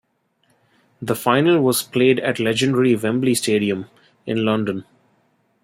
The final was played at legendary Wembley Stadium in London.